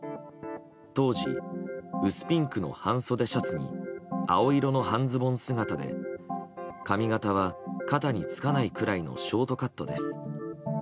当時、薄ピンクの半袖シャツに青色の半ズボン姿で髪形は肩につかないくらいのショートカットです。